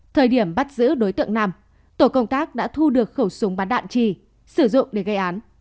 thời điểm bắt giữ đối tượng nam tổ công tác đã thu được khẩu súng bắn đạn trì sử dụng để gây án